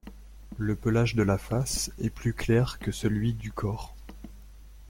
Le pelage de la face est plus clair que celui du corps.